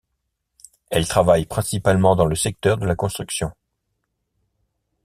Elle travaille principalement dans le secteur de la construction.